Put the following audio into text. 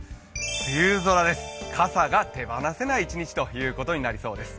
梅雨空です、傘が手離せない一日となりそうです。